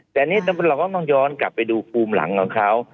แต่อันนี้เราก็ต้องย้อนกลับไปดูภูมิหลังของเขา